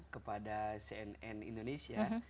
kepada cnn indonesia